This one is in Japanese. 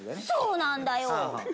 そうなんだよ！